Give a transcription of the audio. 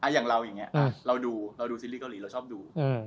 อย่างเราอย่างนี้เราดูเราดูซีรีสเกาหลีเราชอบดู